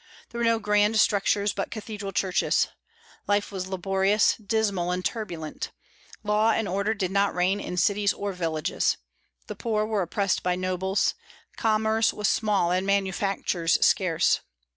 There were no grand structures but cathedral churches. Life was laborious, dismal, and turbulent. Law and order did not reign in cities or villages. The poor were oppressed by nobles. Commerce was small and manufactures scarce.